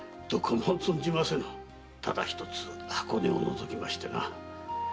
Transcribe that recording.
ただ一つ箱根を除きましてな。